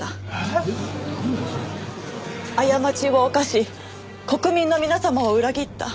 過ちを犯し国民の皆様を裏切った。